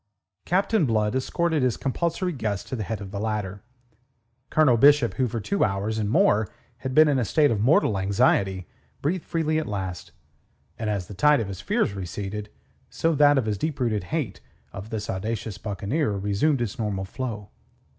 Captain Blood escorted his compulsory guest to the head of the ladder. Colonel Bishop, who for two hours and more had been in a state of mortal anxiety, breathed freely at last; and as the tide of his fears receded, so that of his deep rooted hate of this audacious buccaneer resumed its normal flow.